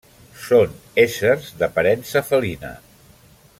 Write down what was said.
Són éssers d'aparença felina.